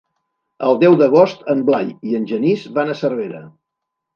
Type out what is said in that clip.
El deu d'agost en Blai i en Genís van a Cervera.